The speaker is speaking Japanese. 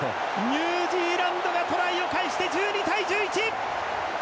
ニュージーランドがトライを返して１２対１１！